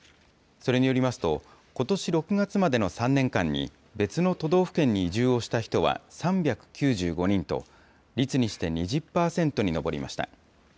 それによりますと、ことし６月までの３年間に、別の都道府県に移住をした人は３９５人と、率にして２０％に上りました。